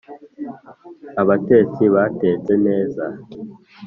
abatetsi batetse neza.